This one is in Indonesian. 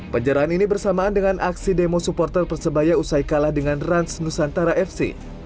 penjarahan ini bersamaan dengan aksi demo supporter persebaya usai kalah dengan rans nusantara fc